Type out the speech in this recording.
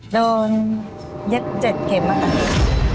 โดนเย็บเจ็ดเข็มมาก